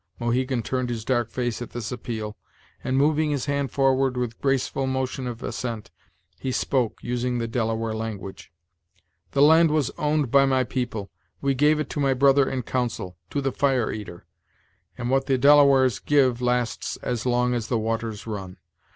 Mohegan turned his dark face at this appeal; and, moving his hand forward with graceful motion of assent, he spoke, using the Delaware language: "The land was owned by my people; we gave it to my brother in council to the Fire eater; and what the Delawares give lasts as long as the waters run.